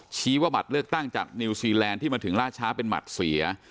ชี้ว่าบัตรเลือกตั้งจากนิวซีแลนด์ที่มาถึงล่าช้าเป็นบัตรเสีย